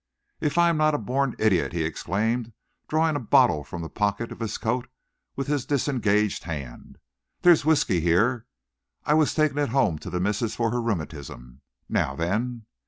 "If I'm not a born idiot!" he exclaimed, drawing a bottle from the pocket of his coat with his disengaged hand. "There's whisky here. I was taking it home to the missis for her rheumatism. Now, then."